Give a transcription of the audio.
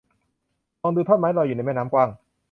มองดูท่อนไม้ลอยอยู่ในแม่น้ำกว้าง